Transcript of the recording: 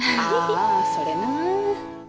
あそれなぁ。